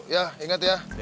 ya ingat ya